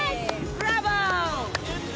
ブラボー！